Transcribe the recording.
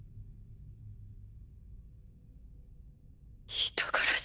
人殺し。